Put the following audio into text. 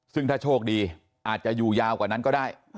ซึ่งถ้าโชคดีอาจจะอยู่ยาวกว่านั้นก็ได้